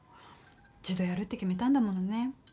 一度やるって決めたんだものね。